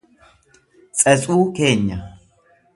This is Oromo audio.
Tsetsuu keenya